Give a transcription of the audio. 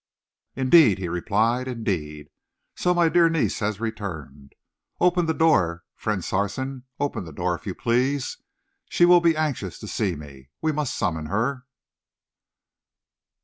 "Indeed?" he replied. "Indeed? So my dear niece has returned. Open the door, friend Sarson. Open the door, if you please. She will be anxious to see me. We must summon her."